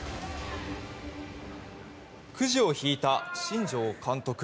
くじを引いた新庄監督。